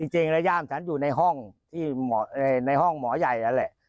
จริงแล้วย่ามฉันอยู่ในห้องที่ในห้องหมอใหญ่นั่นแหละ